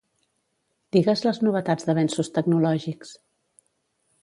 Digues les novetats d'avenços tecnològics.